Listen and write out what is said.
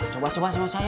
coba coba semua sayap ya